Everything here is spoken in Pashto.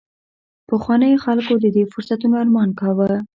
پخوانیو خلکو د دې فرصتونو ارمان کاوه